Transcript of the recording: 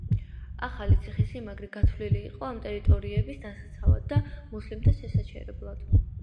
ახალი ციხესიმაგრე გათვლილი იყო ამ ტერიტორიების დასაცავად და მუსლიმთა შესაჩერებლად.